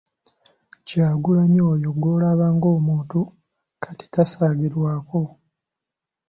Kyagulanyi oyo gw’olaba ng’omuto kati tasaagirwako.